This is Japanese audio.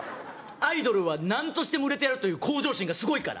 アイドルはなんとしても売れてやるという向上心がすごいから。